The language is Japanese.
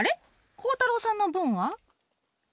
孝太郎さんの分は？